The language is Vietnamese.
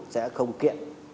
sẽ không kiện